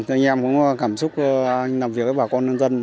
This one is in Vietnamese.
anh em cũng cảm xúc anh làm việc với bà con nhân dân